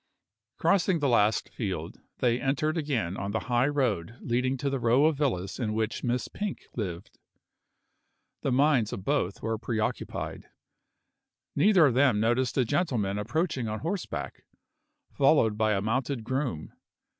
Crossing the last field, they entered again on the high road leading to the row of villas in which Miss Pink lived. The minds of both were preoccupied. Neither of them noticed a gentleman approaching on horseback, followed by a mounted groom.